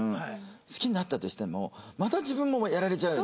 好きになったとしてもまた自分もやられちゃうよね